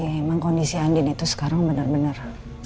memang kondisi andin itu sekarang benar benar